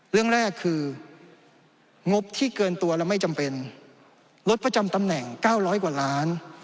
เรื่องแรกคืองบที่เกินตัวและไม่จำเป็นลดประจำตำแหน่ง๙๐๐กว่าล้าน